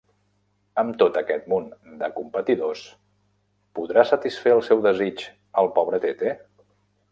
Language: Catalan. Amb tot aquest munt de competidors, podrà satisfer el seu desig el pobre Tete?